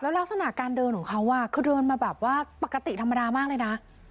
ลักษณะการเดินของเขาคือเดินมาแบบว่าปกติธรรมดามากเลยนะ